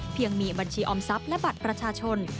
ยังมีบัญชีออมทรัพย์และบัตรประชาชน